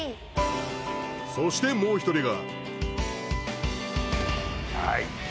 そしてもう一人が。